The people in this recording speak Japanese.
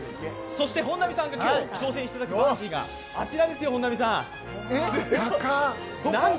本並さんが今日挑戦していただくバンジーがあちらですよ。